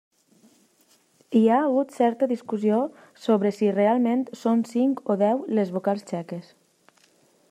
Hi ha hagut certa discussió sobre si realment són cinc o deu les vocals txeques.